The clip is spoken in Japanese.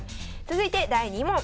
続いて第２問。